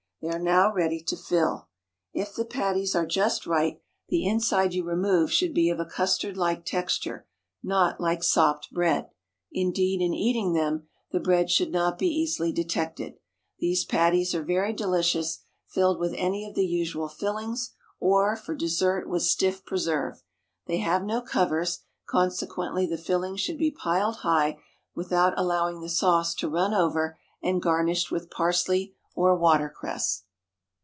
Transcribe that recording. They are now ready to fill. If the patties are just right, the inside you remove should be of a custard like texture, not like sopped bread: indeed, in eating them, the bread should not be easily detected. These patties are very delicious filled with any of the usual fillings, or, for dessert, with stiff preserve. They have no covers, consequently the filling should be piled high without allowing the sauce to run over, and garnished with parsley or water cress.